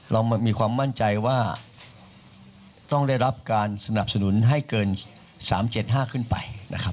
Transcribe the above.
เรามีความมั่นใจว่าต้องได้รับการสนับสนุนให้เกิน๓๗๕ขึ้นไปนะครับ